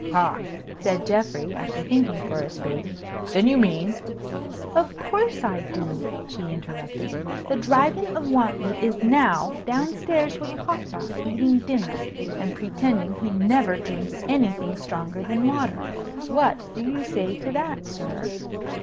"Ha!" said Geoffrey, after thinking for a space. "Then you mean " "Of course I do," she interrupted. "The Dragon of Wantley is now down stairs with papa eating dinner, and pretending he never drinks anything stronger than water. What do you say to that, sir?"